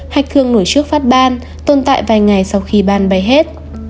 hạch thương nổi trước phát ban tồn tại vài ngày sau khi ban bay hết